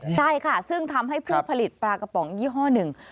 ใช่ค่ะซึ่งทำให้ผู้ผลิตปลากระป๋องยี่ห้อหนึ่ง